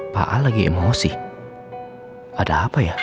pak a lagi emosi ada apa ya